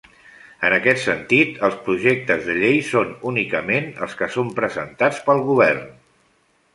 En aquest sentit, els projectes de llei són únicament els que són presentats pel Govern.